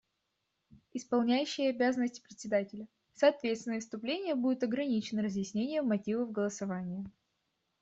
Исполняющий обязанности Председателя: Соответственно выступления будут ограничены разъяснением мотивов голосования.